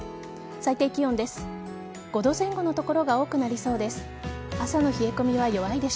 最低気温です。